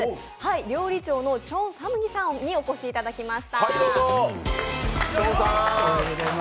料理長のチョン・サムギさんにお越しいただきました。